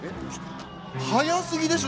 早すぎでしょ！